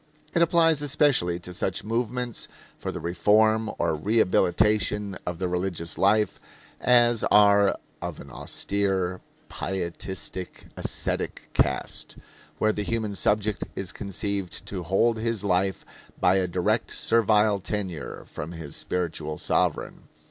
It applies especially to such movements for the reform or rehabilitation of the religious life as are of an austere, pietistic, ascetic cast where the human subject is conceived to hold his life by a direct servile tenure from his spiritual sovereign.